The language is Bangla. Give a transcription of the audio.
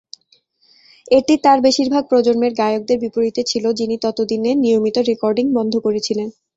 এটি তাঁর বেশিরভাগ প্রজন্মের গায়কদের বিপরীতে ছিল, যিনি ততদিনে নিয়মিত রেকর্ডিং বন্ধ করেছিলেন।